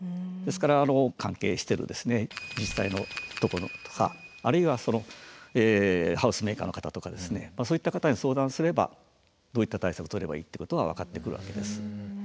ですから関係してる自治体のところとかあるいはハウスメーカーの方とかそういった方に相談すればどういった対策取ればいいってことが分かってくるわけです。